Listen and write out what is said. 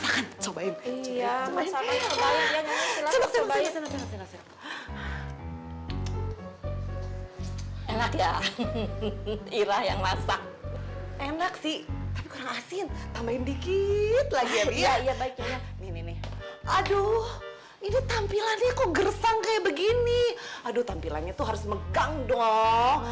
kayak begini tampilannya tuh harus megang dong